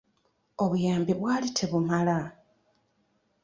Obuyambi bwali tebumala.